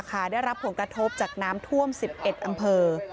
ก่อนท่านทั่งกลับนะคะนายกระธมนตรีก็มี